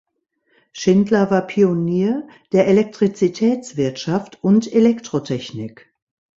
Schindler war Pionier der Elektrizitätswirtschaft und Elektrotechnik.